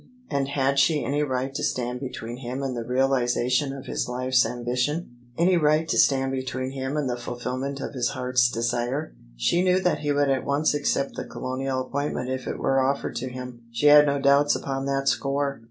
And had she any right to stand between him and the realisation of his life's ambition — ^any right to stand between him and the fulfil ment of his heart's desire? She knew that he would at once accept the Colonial appointment if it were offered to him: she had no doubts upon that score.